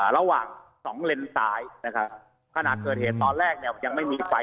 ระหว่างสองเลนซ้ายนะครับขณะเกิดเหตุตอนแรกเนี่ยยังไม่มีไฟ